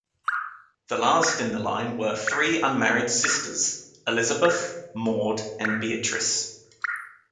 The last in the line were three unmarried sisters, Elizabeth, Maude and Beatrice.